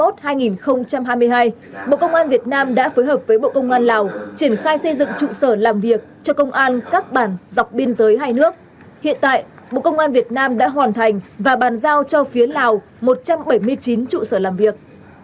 trong năm hai nghìn hai mươi một hai nghìn hai mươi hai bộ công an việt nam đã phối hợp với bộ công an lào triển khai xây dựng trụ sở làm việc cho công an các bản dọc biên giới hai nước hiện tại bộ công an việt nam đã hoàn thành và bàn giao cho phía lào một trăm bảy mươi chín trụ sở làm việc